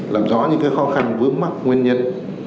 làm rõ những khó khăn vướng mắc nguyên nhân